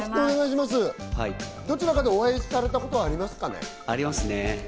どちらかでお会いされたことありますね。